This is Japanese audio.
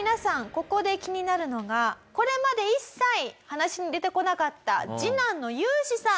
ここで気になるのがこれまで一切話に出てこなかった次男のユウシさん。